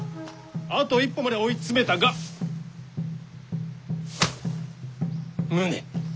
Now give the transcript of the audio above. あと一歩まで追い詰めたが無念。